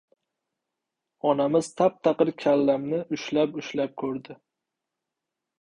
Onamiz tap-taqir kallamni ushlab-ushlab ko‘rdi.